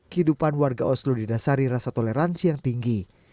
kehidupan warga oslo didasari rasa toleransi yang tinggi